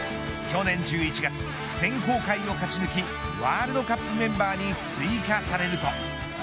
去年１１月選考会を勝ち抜きワールドカップメンバーに追加されると。